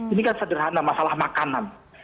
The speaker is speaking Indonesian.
ini kan sederhana masalah makanan